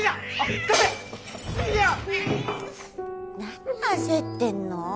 何焦ってんの？